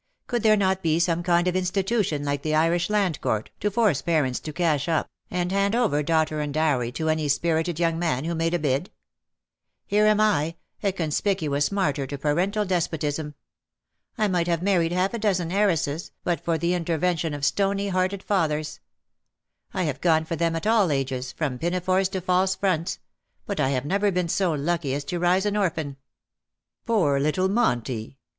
" Could there not be some kind of institution like the Irish Land Court, to force parents to cash up, o2 196 '' HIS LADY SMILES ; and hand over daughter and dowry to any spirited young man who made a bid ? Here am I, a conspicuous martyr to parental despotism. I might have married half a dozen heiresses^ but for the intervention of stony hearted fathers. I have gone for them at all ages^ from pinafores to false fronts ; but I have never been so lucky as to rise an orphan.''^ '' Poor little Monty